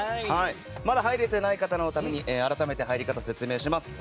まだ入れていない方のために改めて入り方を説明します。